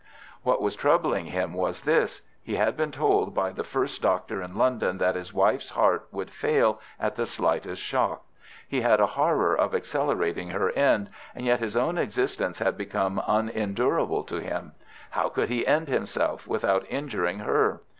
"What was troubling him was this. He had been told by the first doctor in London that his wife's heart would fail at the slightest shock. He had a horror of accelerating her end, and yet his own existence had become unendurable to him. How could he end himself without injuring her?